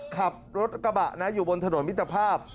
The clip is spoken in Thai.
ขับรถกระบะนะอยู่บนถนนมิตรภาพ